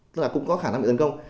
tức là cũng có khả năng bị tấn công